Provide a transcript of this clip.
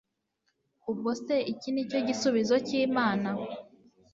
ubwo se iki nicyo gisubizo cy'imana